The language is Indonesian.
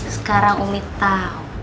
sekarang umi tahu